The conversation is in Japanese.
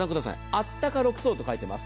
あったか６層と書いてます。